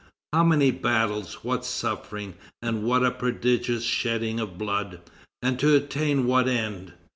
How many battles, what suffering, and what a prodigious shedding of blood! And to attain what end?